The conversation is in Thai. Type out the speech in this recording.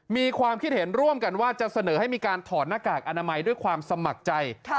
มีความคิดเห็นร่วมกันว่าจะเสนอให้มีการถอดหน้ากากอนามัยด้วยความสมัครใจ